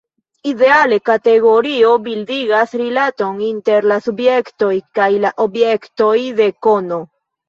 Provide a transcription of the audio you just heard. Ideale, kategorio bildigas rilaton inter la subjektoj kaj la objektoj de kono.